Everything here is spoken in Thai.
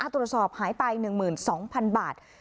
ตรวจสอบหายไป๑๒๐๐๐บาท